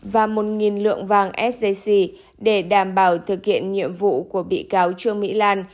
và một lượng vàng sjc để đảm bảo thực hiện nhiệm vụ của bị cáo trương mỹ lan